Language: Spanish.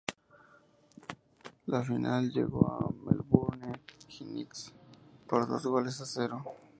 La final la ganó el Melbourne Knights, por dos goles a cero.